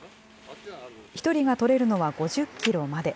１人が取れるのは５０キロまで。